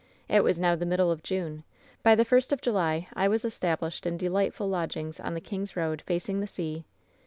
"It was now the middle of Jime. By the first of July I was established in delightful lodgings on the King's Koad, facing the sea.